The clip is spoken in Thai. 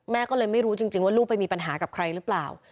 แม่ก็เลยไม่รู้จริงว่าลูกไปมีปัญหากับใครหรือเปล่า